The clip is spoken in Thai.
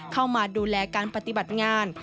เข้ามาดูแลการปฏิบัติงาน